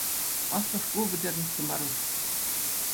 Аслӑ шкул пӗтернӗччӗ Маруҫ.